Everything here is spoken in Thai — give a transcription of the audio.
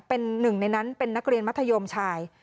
เป็นหนึ่งในนั้นเป็นนักเรียนมัธยมชาย